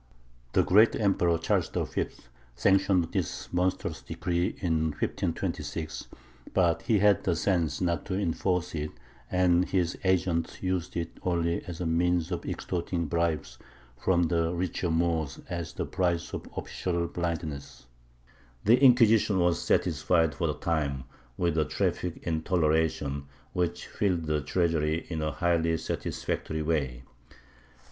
The great Emperor Charles V. sanctioned this monstrous decree in 1526, but he had the sense not to enforce it; and his agents used it only as a means of extorting bribes from the richer Moors as the price of official blindness. The Inquisition was satisfied for the time with a "traffic in toleration" which filled the treasury in a highly satisfactory way.